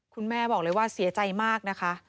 คุณแม่บอกเลยว่าเสียใจมากนะคะ